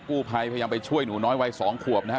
กู้ภัยพยายามไปช่วยหนูน้อยวัย๒ขวบนะครับ